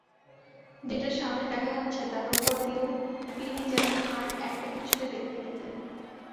যেটা সামনে দেখা যাচ্ছে তার উপর দিয়েও তিনি যেন আর একটা-কিছুকে দেখতে পেতেন।